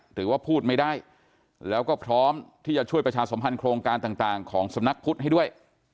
หรือว่าพูดไม่ได้แล้วก็พร้อมที่จะช่วยประชาสมพันธ์โครงการต่างของสำนักพุทธให้ด้วย